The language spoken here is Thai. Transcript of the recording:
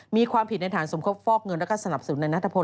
มีความผิดในฐานสมคบฟอกเงินแล้วก็สนับสนุนในนัทพล